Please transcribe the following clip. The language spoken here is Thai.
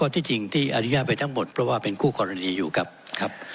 ที่จริงที่อนุญาตไปทั้งหมดเพราะว่าเป็นคู่กรณีอยู่กับครับ